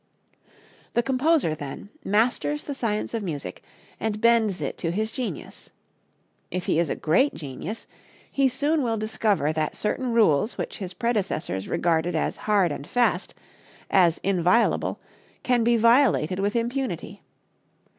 The composer, then, masters the science of music and bends it to his genius. If he is a great genius, he soon will discover that certain rules which his predecessors regarded as hard and fast, as inviolable, can be violated with impunity.